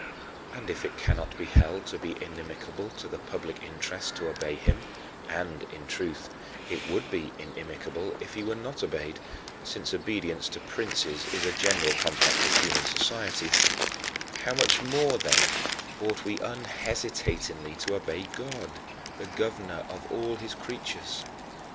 And if it cannot be held to be inimical to the public interest to obey him and, in truth, it would be inimical if he were not obeyed, since obedience to princes is a general compact of human society how much more, then, ought we unhesitatingly to obey God, the Governor of all his creatures!